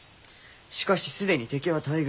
しかし既に敵は大軍。